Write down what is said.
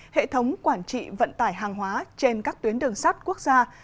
hệ thống quản trị vận tải hàng hóa trên các tuyến đường sắt quốc gia